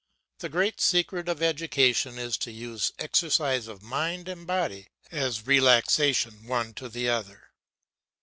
The great secret of education is to use exercise of mind and body as relaxation one to the other.